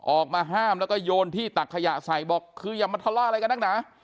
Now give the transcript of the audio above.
ออกมาห้ามแล้วก็โยนที่ตักขยะใส่บอกคืออย่ามาทะเลาะอะไรกันนักหนา